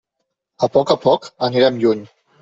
A poc a poc anirem lluny.